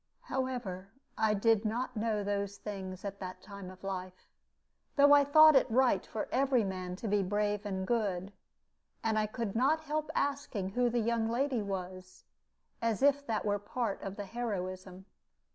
However, I did not know those things at that time of life, though I thought it right for every man to be brave and good; and I could not help asking who the young lady was, as if that were part of the heroism.